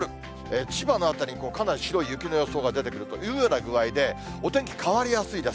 千葉の辺り、かなり白い雪の予想が出てくるという具合で、お天気変わりやすいです。